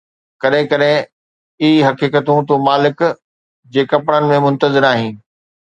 ڪڏهن ڪڏهن، اي حقيقت، تون مالڪ جي ڪپڙن ۾ منتظر آهين